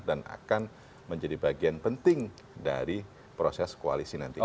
dan akan menjadi bagian penting dari proses koalisi nantinya